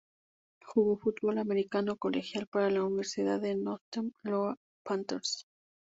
Jugó fútbol americano colegial para la universidad de Northern Iowa Panthers.